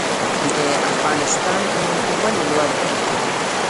د افغانستان نوم ولې لوړ دی؟